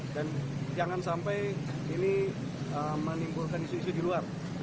dan jangan sampai ini menimbulkan isu isu di luar